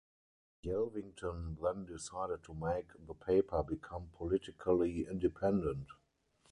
Yelvington then decided to make the paper become politically independent.